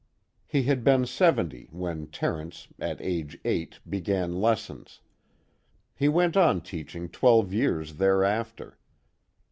He had been seventy when Terence at age eight began lessons; he went on teaching twelve years thereafter.